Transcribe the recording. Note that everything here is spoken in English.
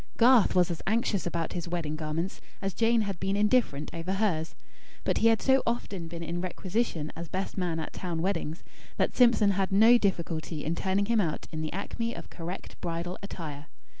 Garth was as anxious about his wedding garments, as Jane had been indifferent over hers; but he had so often been in requisition as best man at town weddings, that Simpson had no difficulty in turning him out in the acme of correct bridal attire.